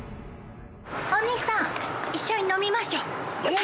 お兄さん一緒に飲みましょ。乾杯！